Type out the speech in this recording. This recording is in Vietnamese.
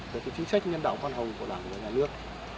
về chính sách nhân đạo khoan hồng của đảng và nhà nước